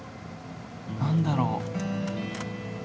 何だろう。